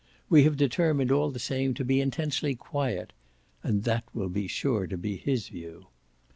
We have determined all the same to be intensely QUIET, and that will be sure to be his view.